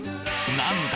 なんだ？